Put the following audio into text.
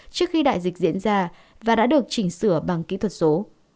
trước khi đại dịch diễn ra và đã được chỉnh sửa bằng kỹ thuật số